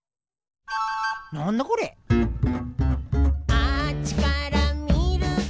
「あっちからみると」